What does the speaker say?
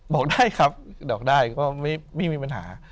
บอกได้ครับดอกได้ก็ไม่มีปัญหา